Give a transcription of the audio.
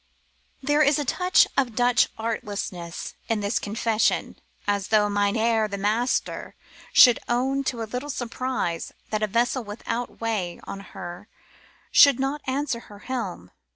There is a touch of Dutch artlessness in this confession, as though Mynheer the Master should own to a little surprise that a vessel without way on her should not answer her helm.